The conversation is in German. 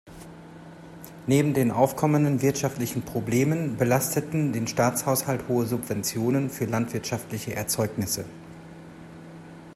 Neben den aufkommenden wirtschaftlichen Problemen belasteten den Staatshaushalt hohe Subventionen für landwirtschaftliche Erzeugnisse.